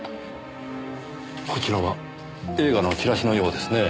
こちらは映画のチラシのようですねぇ。